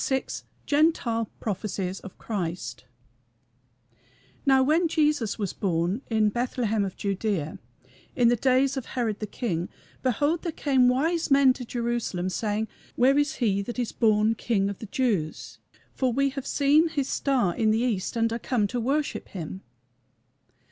VI GENTILE PROPHECIES OF CHRIST "Now when Jesus was born in Bethlehem of Judæa, in the days of Herod the king, behold there came wise men to Jerusalem, saying, Where is he that is born King of the Jews? for we have seen his star in the east, and are come to worship him."